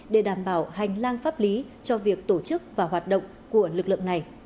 để đảm bảo hành lang pháp lý cho việc tổ chức và hoạt động của lực lượng này